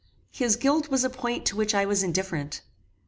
His guilt was a point to which I was indifferent.